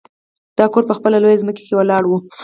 دا کور په خپله لویه ځمکه کې ولاړ و